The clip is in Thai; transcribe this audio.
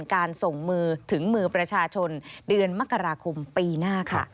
การส่งมือถึงมือประชาชนเดือนมกราคมปีหน้าค่ะ